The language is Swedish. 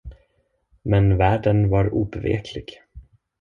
Men värden var obeveklig.